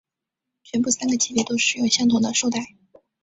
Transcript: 全部三个级别都使用相同的绶带。